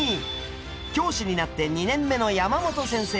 教師になって２年目の山本先生。